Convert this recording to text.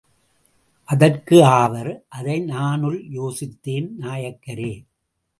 அதற்கு ஆவர். அதை நானுல் யோசித்தேன் நாயக்கரே.